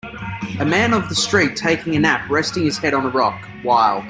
A man of the street taking a nap resting his head on a rock. While